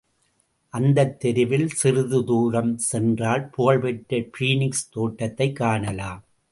அந்தத் தெருவில் சிறிதுதூரம் சென்றால் புகழ்பெற்ற பீனிக்ஸ் தோட்டத்தைக் காணலாம்.